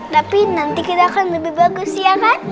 tapi nanti kita akan lebih bagus ya kan